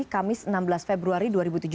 kamis enam belas februari dua ribu tujuh belas